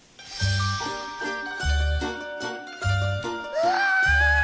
うわ！